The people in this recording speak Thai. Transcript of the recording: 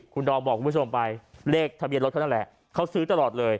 คุณดอมบอกกลุ่มผู้ชมไปเลขทะเบียนรถเขานั่นแหละ